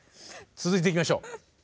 続いていきましょう。